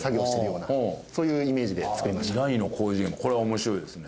これは面白いですね。